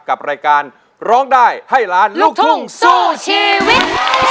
กับรายการร้องได้ให้ล้านลูกทุ่งสู้ชีวิต